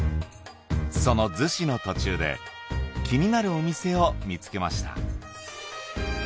その子の途中で気になるお店を見つけました。